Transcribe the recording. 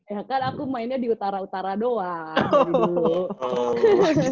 ya kan aku mainnya di utara utara doang